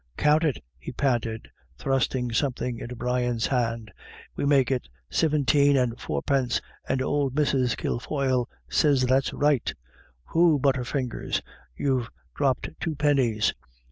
M Count it," he panted, thrusting something into Brian's hand; M we make it siventeen and fourpince, and ould Mrs. Kilfoyle sez that's right Whoo, butterfingers — you've dropped two pinnies.